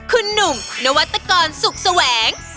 คุณหนุ่มนวัตกรสุขแสวง